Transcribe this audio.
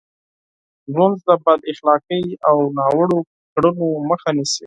لمونځ د بد اخلاقۍ او ناوړو کړنو مخه نیسي.